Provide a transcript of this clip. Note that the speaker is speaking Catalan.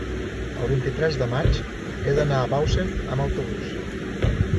el vint-i-tres de maig he d'anar a Bausen amb autobús.